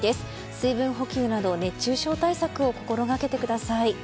水分補給など、熱中症対策を心がけてください。